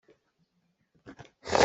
Fuzu cu ngandamnak caah a ṭha an ti.